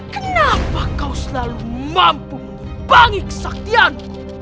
kenapa kau selalu mampu menyebangi kesaktianmu